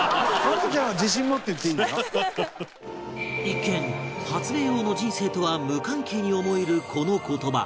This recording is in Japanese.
一見発明王の人生とは無関係に思えるこの言葉